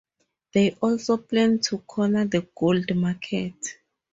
They also plan to corner the gold market.